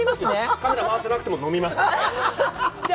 カメラ回ってなくても飲みます。